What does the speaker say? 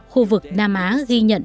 khu vực nam á ghi nhận